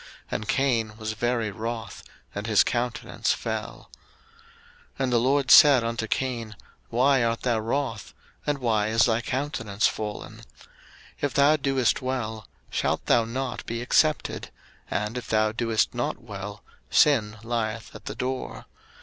And Cain was very wroth, and his countenance fell. 01:004:006 And the LORD said unto Cain, Why art thou wroth? and why is thy countenance fallen? 01:004:007 If thou doest well, shalt thou not be accepted? and if thou doest not well, sin lieth at the door.